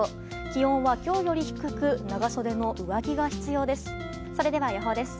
気温は今日より低く長袖の上着が必要です。